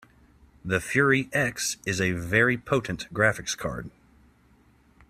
The Fury X is a very potent graphics card.